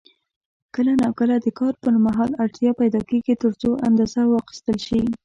کله نا کله د کار پر مهال اړتیا پیدا کېږي ترڅو اندازه واخیستل شي.